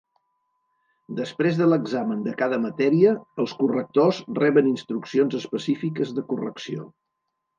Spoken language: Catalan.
Després de l'examen de cada matèria els correctors reben instruccions específiques de correcció.